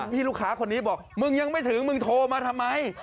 พี่ลูกค้าคนนี้บอกมึงยังไม่ถึงมึงโทรมาทำไม